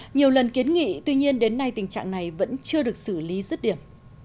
nhiều lần kiến nghị tuy nhiên đến nay tình trạng này vẫn chưa được xử lý rứt điểm